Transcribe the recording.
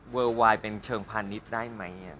ไวน์เป็นเชิงพาณิชย์ได้ไหม